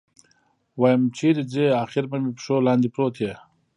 ويم چېرې ځې اخېر به مې پښو لاندې پروت يې.